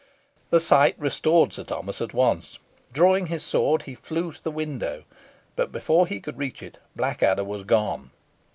The sight restored Sir Thomas at once. Drawing his sword he flew to the window, but before he could reach it Blackadder was gone.